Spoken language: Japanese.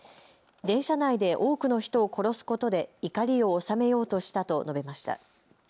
電車内で多くの人を殺すことで怒りを収めようとしたと述べました。